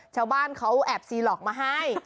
ชาวบ้านเขาแอบซีหลอกมาให้